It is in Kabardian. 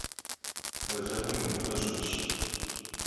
Alıhım vuriheş'eş!